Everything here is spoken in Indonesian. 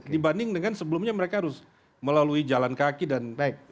dibanding dengan sebelumnya mereka harus melalui jalan kaki dan